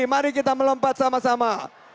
mari kita melompat sama sama